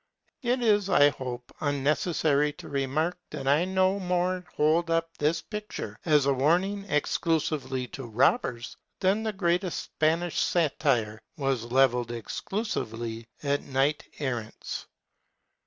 It is, I hope, unnecessary to remark that I no more hold up this picture as a warning exclusively to robbers than the greatest Spanish satire was levelled exclusively at knight errants.